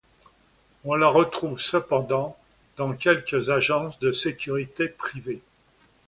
On la retrouve cependant dans quelques agences de sécurités privées.